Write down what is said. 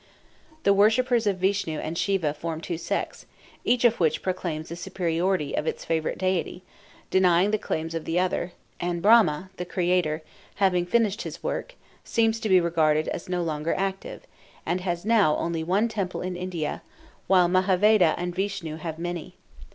The worshippers of Vishnu and Siva form two sects, each of which proclaims the superiority of its favorite deity, denying the claims of the other, and Brahma, the creator, having finished his work, seems to be regarded as no longer active, and has now only one temple in India, while Mahadeva and Vishnu have many.